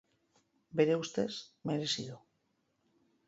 Bere ustez, merezi du.